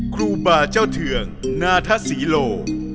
ครูบาเจ้าเทืองนาทศรีโล